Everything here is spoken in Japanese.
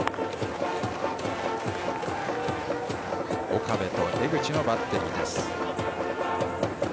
岡部と江口のバッテリー。